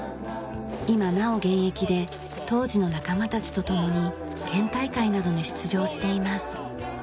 今なお現役で当時の仲間たちと共に県大会などに出場しています。